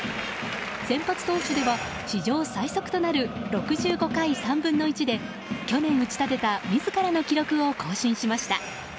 先発投手では史上最速となる６５回３分の１で去年打ち立てた自らの記録を更新しました。